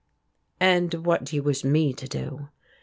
"And what do you wish me to do?"